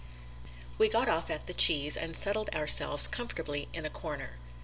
We got off at The Cheese and settled ourselves comfortably in a corner.